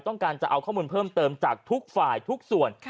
ต้องการจะเอาข้อมูลเพิ่มเติมจากทุกฝ่ายทุกส่วน